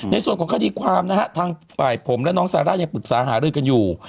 ในส่วนของคดีความนะฮะทางฝ่ายผมและน้องซาร่ายังปรึกษาหารือกันอยู่